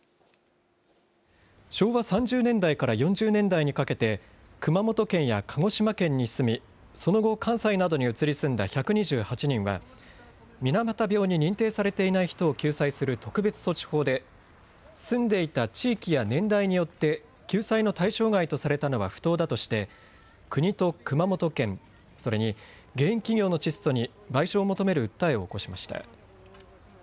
昭和３０年代から４０年代にかけて熊本県や鹿児島県に住みその後、関西などに移り住んだ１２８人は水俣病に認定されていない人を救済する特別措置法で住んでいた地域や年代によって救済の対象外とされたのは不当だとして国と熊本県、それに原因企業のチッソに賠償を求める訴えを起こしました。